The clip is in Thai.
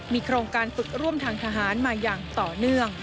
มีโครงการฝึกร่วมทางทหารมาอย่างต่อเนื่อง